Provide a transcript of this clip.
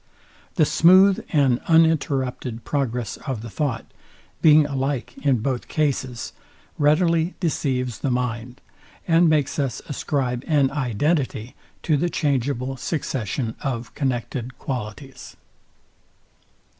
The smooth and uninterrupted progress of the thought, being alike in both cases, readily deceives the mind, and makes us ascribe an identity to the changeable succession of connected qualities.